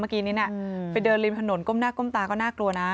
เมื่อกี้นี้ไปเดินริมถนนก้มหน้าก้มตาก็น่ากลัวนะ